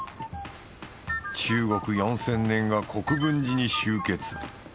中国４，０００年が国分寺に集結。